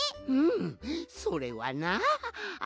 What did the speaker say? うんそれはな。